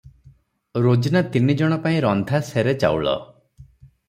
ରୋଜିନା ତିନି ଜଣ ପାଇଁ ରନ୍ଧା ସେରେ ଚାଉଳ ।